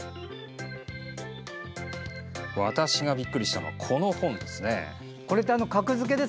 私がびっくりしたのはこの本です。